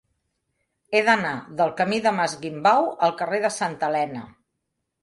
He d'anar del camí del Mas Guimbau al carrer de Santa Elena.